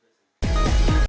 gagat prasasti jakarta